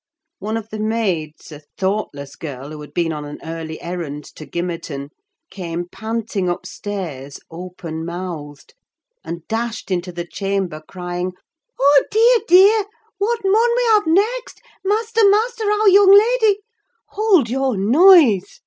One of the maids, a thoughtless girl, who had been on an early errand to Gimmerton, came panting upstairs, open mouthed, and dashed into the chamber, crying: "Oh, dear, dear! What mun we have next? Master, master, our young lady—" "Hold your noise!"